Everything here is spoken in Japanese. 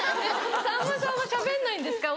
さんまさんはしゃべんないんですか？